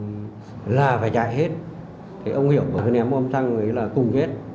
cô kinh ấy bảo là cứ cho ba thằng kết là phải chạy hết thế ông hiểu và cái ném ôm thăng ấy là cùng hết